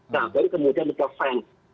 nah baru kemudian kita fans